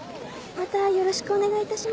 またよろしくお願いいたします。